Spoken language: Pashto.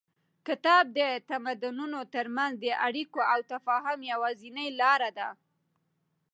کتاب د تمدنونو تر منځ د اړیکو او تفاهم یوازینۍ لاره ده.